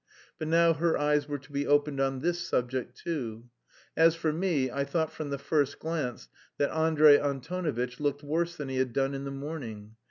But now her eyes were to be opened on this subject too. As for me, I thought from the first glance that Andrey Antonovitch looked worse than he had done in the morning.